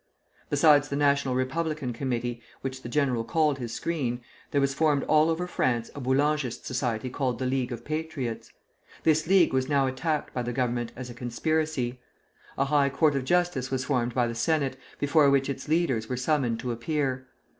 Besides the National Republican Committee (which the general called his screen), there was formed all over France a Boulangist society called the League of Patriots. This league was now attacked by the Government as a conspiracy. A High Court of Justice was formed by the Senate, before which its leaders were summoned to appear.